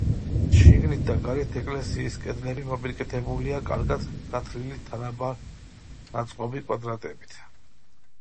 შიგნით და გარედან ეკლესიის კედლები მოპირკეთებულია კარგად გათლილი, თანაბრად ნაწყობი კვადრებით.